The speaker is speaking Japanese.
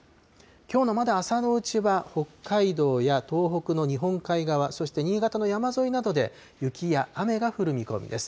きょうのまだ朝のうちは、北海道や東北の日本海側、そして新潟の山沿いなどで雪や雨が降る見込みです。